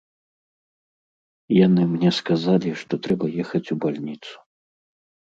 Яны мне сказалі, што трэба ехаць у бальніцу.